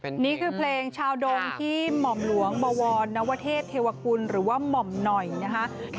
นี่คือเพลงชาวดงที่หม่อมหลวงบวรนวเทศเทวกุลหรือว่าหม่อมหน่อยนะคะ